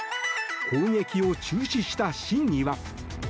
攻撃を中止した真意は？